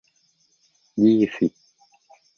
ยี่สิบ